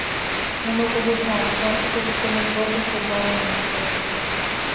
Нуно кугешнат, ончыкышт кумык возын сӧрвалымым вучат.